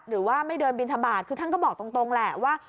หรือว่าไม่เดินบินทบาทคือท่านก็บอกตรงแหละว่า